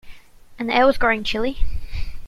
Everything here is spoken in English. And the air was growing chilly.